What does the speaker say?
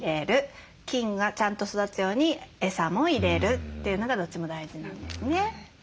菌がちゃんと育つようにエサも入れるというのがどっちも大事なんですね。